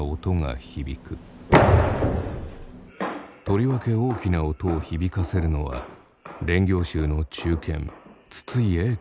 とりわけ大きな音を響かせるのは練行衆の中堅筒井英賢さん。